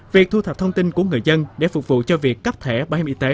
việc thu thập thông tin của người dân để phục vụ cho việc cấp thẻ bảo hiểm y tế